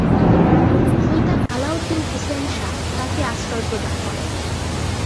সুলতান আলাউদ্দিন হোসেন শাহ তাকে আশ্রয় প্রদান করেন।